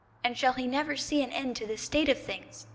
And shall he never see an end to this state of things!